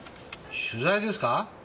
取材ですか？